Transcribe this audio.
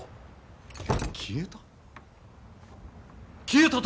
消えた？